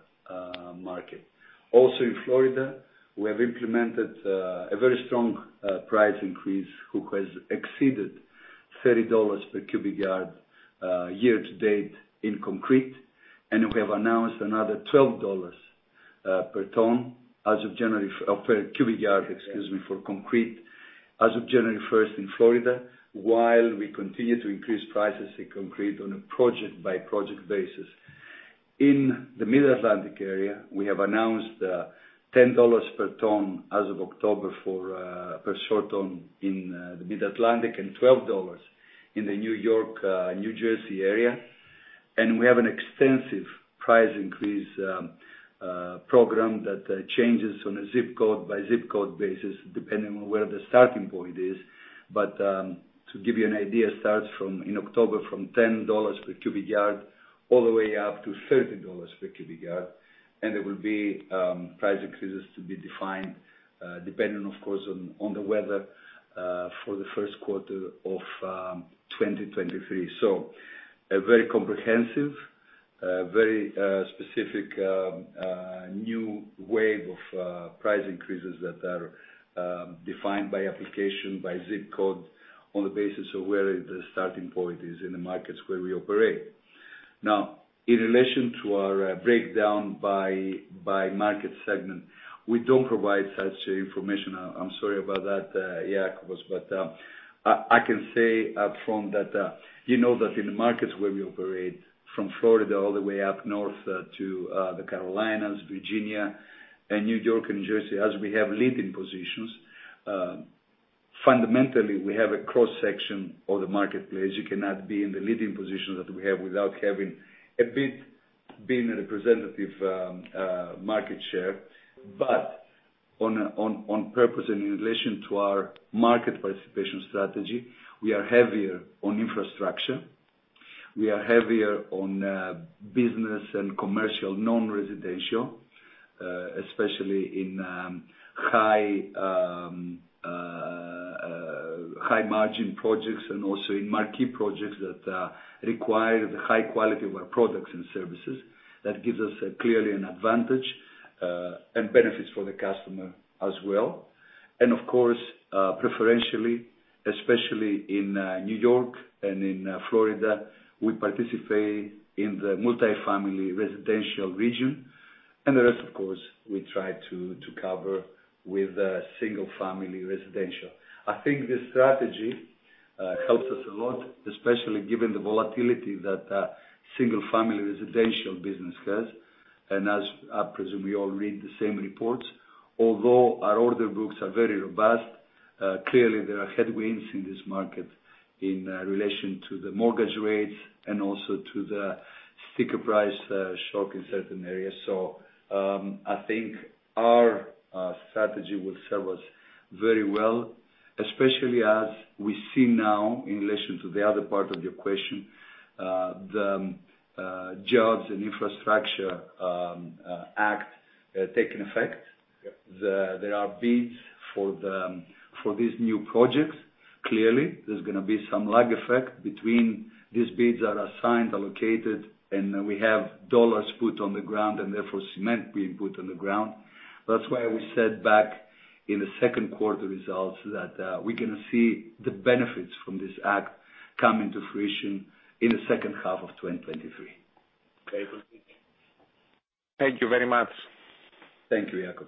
market. Also in Florida, we have implemented a very strong price increase who has exceeded $30 per cubic yard year to date in concrete. We have announced another $12 per ton as of January, or per cubic yard, excuse me, for concrete as of January first in Florida, while we continue to increase prices in concrete on a project-by-project basis. In the Mid-Atlantic area, we have announced $10 per short ton as of October for a short ton in the Mid-Atlantic and $12 in the New York, New Jersey area. We have an extensive price increase program that changes on a ZIP code by ZIP code basis, depending on where the starting point is. To give you an idea, it starts from, in October, from $10 per cubic yard all the way up to $30 per cubic yard. There will be price increases to be defined, depending, of course, on the weather, for the first quarter of 2023. A very comprehensive, very specific new wave of price increases that are defined by application, by ZIP code on the basis of where the starting point is in the markets where we operate. Now, in relation to our breakdown by market segment, we don't provide such information. I'm sorry about that, Iakovos, but I can say upfront that you know that in the markets where we operate from Florida all the way up north to the Carolinas, Virginia, and New York, and New Jersey, as we have leading positions, fundamentally, we have a cross-section of the marketplace. You cannot be in the leading position that we have without being a representative market share. But on purpose and in relation to our market participation strategy, we are heavier on infrastructure. We are heavier on business and commercial non-residential, especially in high margin projects and also in marquee projects that require the high quality of our products and services. That gives us clearly an advantage and benefits for the customer as well. Of course, preferentially, especially in New York and in Florida, we participate in the multifamily residential region. The rest, of course, we try to cover with the single family residential. I think this strategy helps us a lot, especially given the volatility that single family residential business has. As I presume you all read the same reports. Although our order books are very robust, clearly there are headwinds in this market in relation to the mortgage rates and also to the sticker price shock in certain areas. I think our strategy will serve us very well, especially as we see now in relation to the other part of your question, the jobs and infrastructure act taking effect. Yep. There are bids for these new projects. Clearly, there's gonna be some lag effect between these bids that are signed, allocated, and we have dollars put on the ground and therefore cement being put on the ground. That's why we said back in the second quarter results that we're gonna see the benefits from this act come into fruition in the second half of 2023. Okay. Thank you very much. Thank you, Iakovos.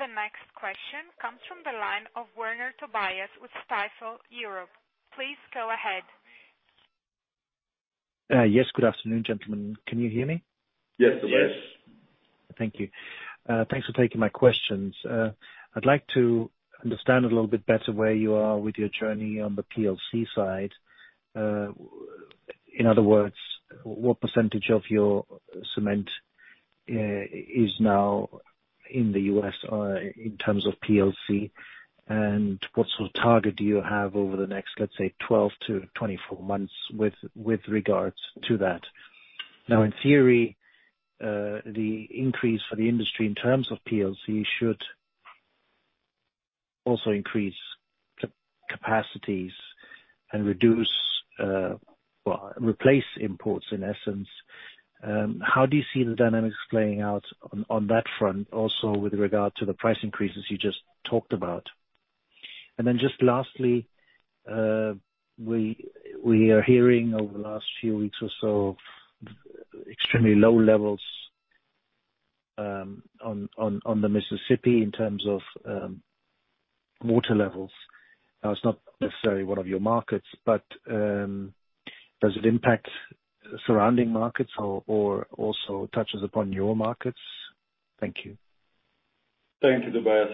The next question comes from the line of Woerner Tobias with Stifel Europe. Please go ahead. Yes. Good afternoon, gentlemen. Can you hear me? Yes, Tobias. Yes. Thank you. Thanks for taking my questions. I'd like to understand a little bit better where you are with your journey on the PLC side. In other words, what percentage of your cement is now in the U.S. in terms of PLC, and what sort of target do you have over the next, let's say, 12-24 months with regards to that? Now, in theory, the increase for the industry in terms of PLC should also increase capacities and reduce, well, replace imports, in essence. How do you see the dynamics playing out on that front, also with regard to the price increases you just talked about? Just lastly, we are hearing over the last few weeks or so, extremely low levels on the Mississippi in terms of water levels. Now, it's not necessarily one of your markets, but does it impact surrounding markets or also touches upon your markets? Thank you. Thank you, Tobias.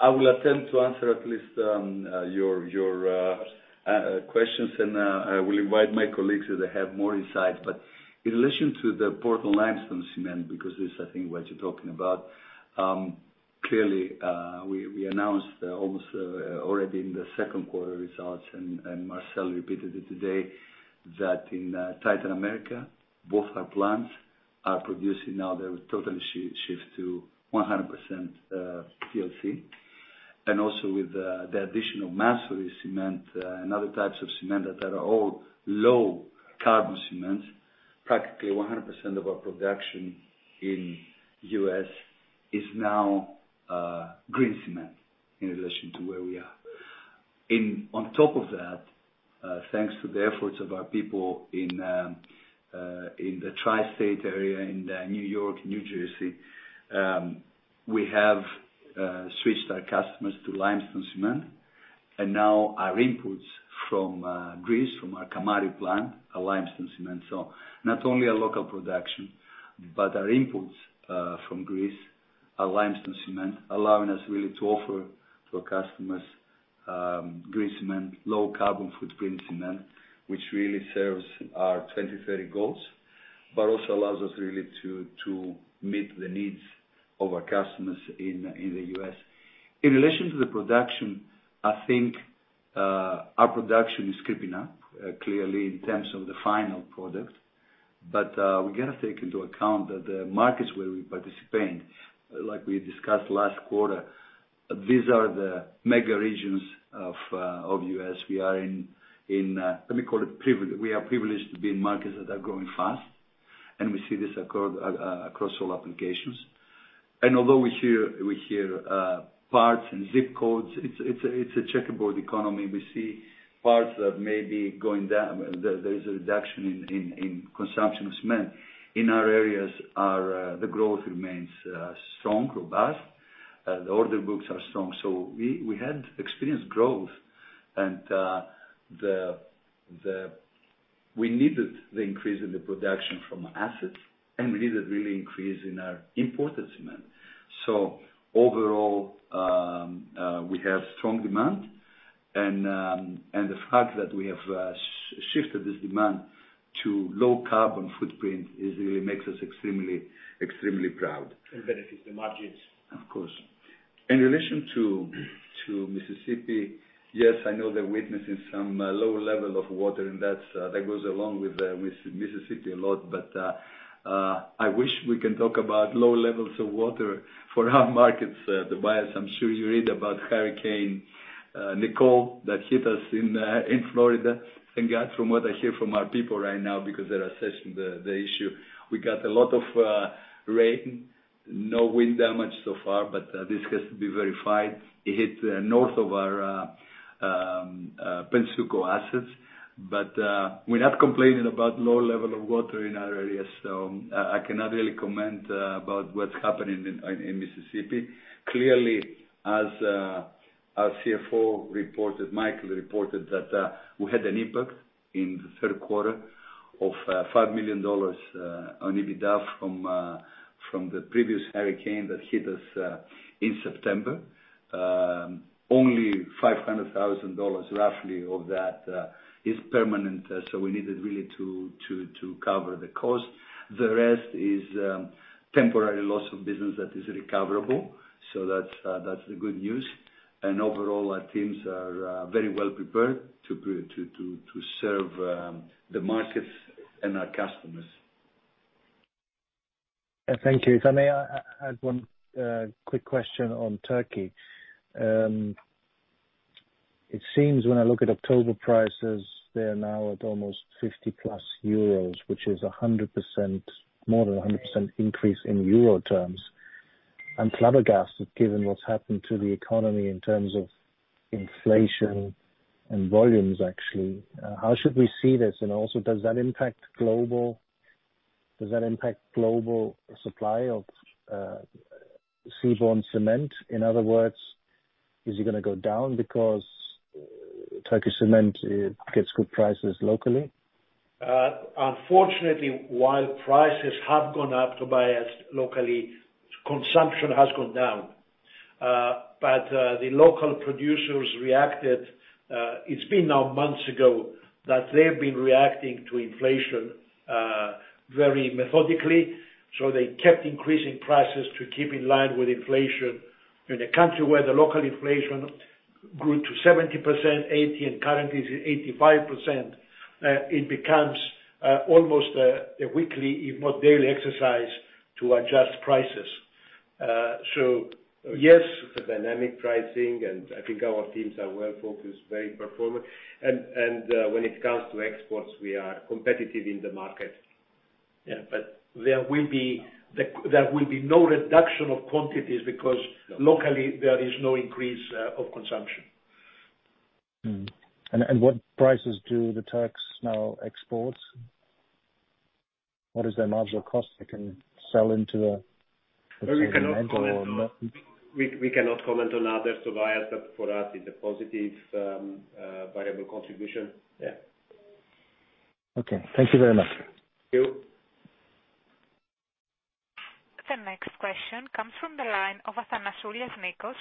I will attempt to answer at least your questions, and I will invite my colleagues if they have more insight. In relation to the Portland limestone cement, because this is, I think, what you're talking about, clearly, we announced almost already in the second quarter results and Marcel repeated it today, that in Titan America, both our plants are producing now. They've totally shifted to 100% PLC. And also with the addition of mastery cement and other types of cement that are all low carbon cements. Practically 100% of our production in U.S. is now green cement in relation to where we are. On top of that, thanks to the efforts of our people in the tri-state area in New York, New Jersey, we have switched our customers to limestone cement. Now our inputs from Greece, from our Kamari plant are limestone cement. Not only local production, but our inputs from Greece are limestone cement, allowing us really to offer to our customers green cement, low carbon footprint cement, which really serves our 2030 goals, but also allows us really to meet the needs of our customers in the U.S. In relation to the production, I think our production is creeping up clearly in terms of the final product. We gotta take into account that the markets where we participate, like we discussed last quarter, these are the mega regions of U.S. we are in, let me call it privileged. We are privileged to be in markets that are growing fast, and we see this occur across all applications. Although we hear parts and ZIP codes, it's a checkerboard economy. We see parts that may be going down. There is a reduction in consumption of cement. In our areas, the growth remains strong, robust. The order books are strong. We had experienced growth and we needed the increase in the production from assets, and we needed really increase in our imported cement. Overall, we have strong demand and the fact that we have shifted this demand to low carbon footprint really makes us extremely proud. It benefits the margins. Of course. In relation to Mississippi, yes, I know they're witnessing some lower level of water, and that goes along with Mississippi a lot. I wish we can talk about low levels of water for our markets, Tobias. I'm sure you read about Hurricane Nicole that hit us in Florida. Thank God, from what I hear from our people right now, because they're assessing the issue, we got a lot of rain. No wind damage so far, but this has to be verified. It hit north of our Pennsuco assets. We're not complaining about low level of water in our areas. I cannot really comment about what's happening in Mississippi. Clearly, as our CFO reported, Michael reported that we had an impact in the third quarter of $5 million on EBITDA from the previous hurricane that hit us in September. Only $500 thousand roughly of that is permanent. We needed really to cover the cost. The rest is temporary loss of business that is recoverable. That's the good news. Overall our teams are very well prepared to serve the markets and our customers. Thank you. If I may, I had one quick question on Turkey. It seems when I look at October prices, they're now at almost 50+ euros, which is more than 100% increase in euro terms. Klado Gas, given what's happened to the economy in terms of inflation and volumes actually, how should we see this? Also, does that impact global supply of seaborne cement? In other words, is it gonna go down because Turkish cement gets good prices locally? Unfortunately, while prices have gone up, Tobias, locally, consumption has gone down. The local producers reacted. It's been now months ago that they've been reacting to inflation very methodically. They kept increasing prices to keep in line with inflation. In a country where the local inflation grew to 70%, 80%, and currently is at 85%, it becomes almost a weekly, if not daily exercise to adjust prices. Yes, the dynamic pricing, and I think our teams are well-focused, very performant. When it comes to exports, we are competitive in the market. Yeah. There will be no reduction of quantities because locally there is no increase of consumption. What prices do the Turks now export? What is their marginal cost they can sell into the cement or not? We cannot comment on others, Tobias. For us, it's a positive, variable contribution. Yeah. Okay. Thank you very much. Thank you. The next question comes from the line of Nikos Athanasoulias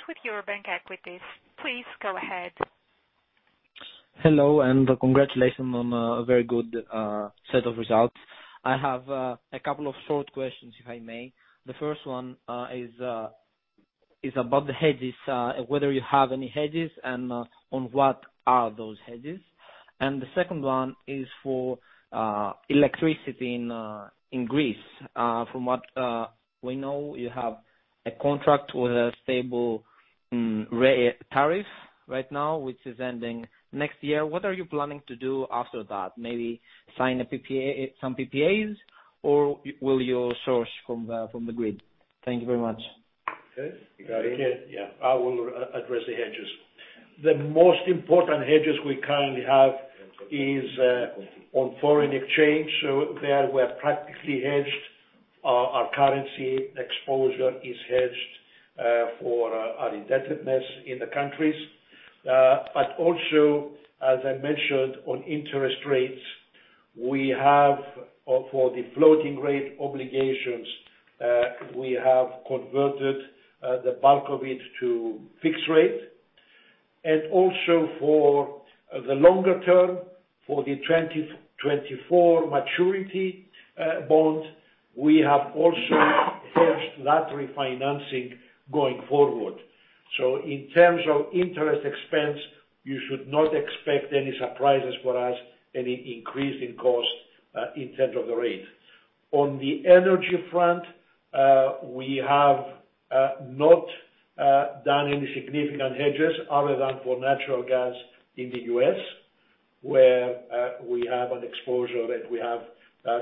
with Eurobank Equities. Please go ahead. Hello, and congratulations on a very good set of results. I have a couple of short questions, if I may. The first one is about the hedges, whether you have any hedges and on what are those hedges. The second one is for electricity in Greece. From what we know, you have a contract with a stable rate tariff right now, which is ending next year. What are you planning to do after that? Maybe sign a PPA, some PPAs, or will you source from the grid? Thank you very much. Okay. You got it. I will address the hedges. The most important hedges we currently have is on foreign exchange. There we are practically hedged. Our currency exposure is hedged for our indebtedness in the countries. But also as I mentioned on interest rates, we have for the floating rate obligations, we have converted the bulk of it to fixed rate. Also for the longer-term, for the 2024 maturity bond, we have also hedged that refinancing going forward. In terms of interest expense, you should not expect any surprises for us, any increase in cost in terms of the rate. On the energy front, we have not done any significant hedges other than for natural gas in the U.S., where we have an exposure that we have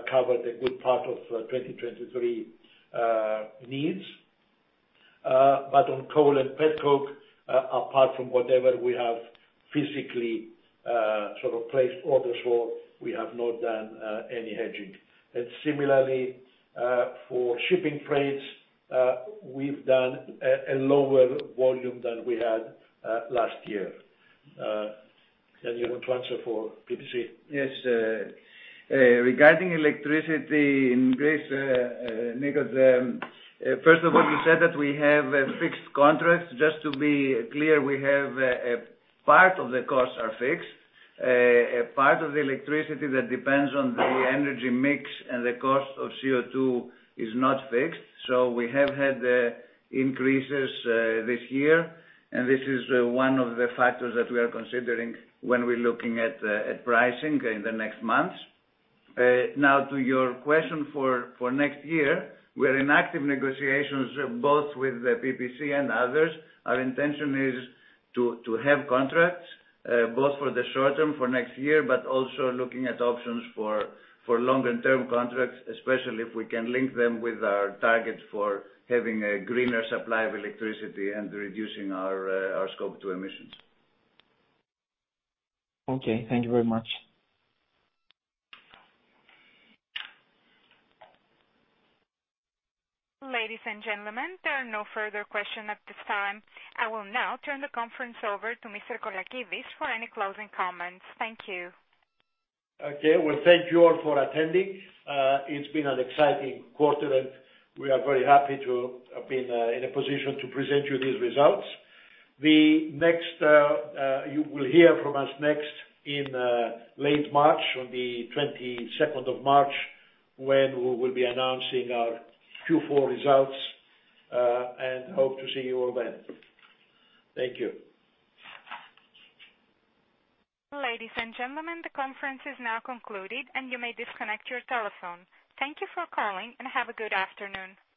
covered a good part of 2023 needs. On coal and petcoke, apart from whatever we have physically sort of placed orders for, we have not done any hedging. Similarly, for shipping rates, we've done a lower volume than we had last year. You want to answer for PPC? Yes. Regarding electricity increase, Nikos, first of what you said that we have a fixed contract. Just to be clear, we have a part of the costs are fixed. A part of the electricity that depends on the energy mix and the cost of CO2 is not fixed. We have had the increases this year. This is one of the factors that we are considering when we're looking at pricing in the next months. Now to your question for next year, we are in active negotiations both with the PPC and others. Our intention is to have contracts both for the short-term for next year, but also looking at options for longer-term contracts, especially if we can link them with our targets for having a greener supply of electricity and reducing our Scope 2 emissions. Okay. Thank you very much. Ladies and gentlemen, there are no further questions at this time. I will now turn the conference over to Mr. Colakides for any closing comments. Thank you. Okay. Well, thank you all for attending. It's been an exciting quarter, and we are very happy to have been in a position to present you these results. You will hear from us next in late March, on the 22nd of March, when we will be announcing our Q4 results, and hope to see you all then. Thank you. Ladies and gentlemen, the conference is now concluded, and you may disconnect your telephone. Thank you for calling, and have a good afternoon.